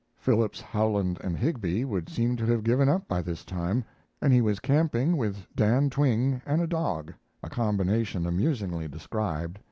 Phillips, Howland, and Higbie would seem to have given up by this time, and he was camping with Dan Twing and a dog, a combination amusingly described.